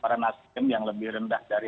para nasdem yang lebih rendah dari